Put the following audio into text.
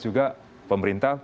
ke asia lagi sementara